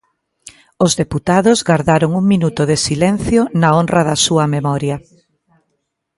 Os deputados gardaron un minuto de silencio na honra da súa memoria.